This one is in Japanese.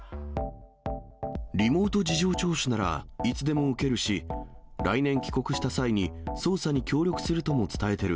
リモート事情聴取ならいつでも受けるし、来年帰国した際に、捜査に協力するとも伝えてる。